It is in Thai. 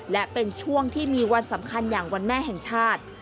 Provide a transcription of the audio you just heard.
และเป็นช่วงที่มีวันสำคัญอย่างวันแม่แห่งชาติ